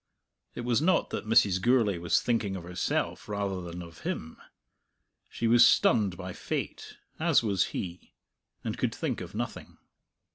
It was not that Mrs. Gourlay was thinking of herself rather than of him. She was stunned by fate as was he and could think of nothing.